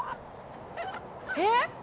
えっ！？